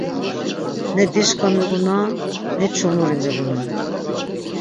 Ne dişǩa miğunan, ne çomuri miğunan.